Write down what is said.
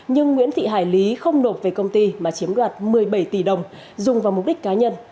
nhưng nguyễn thị hải lý không nộp về công ty mà chiếm đoạt một mươi bảy tỷ đồng dùng vào mục đích cá nhân